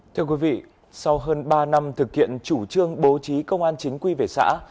thưa quý vị sau hơn ba năm thực hiện chủ trương bố trí công an chính quy về xã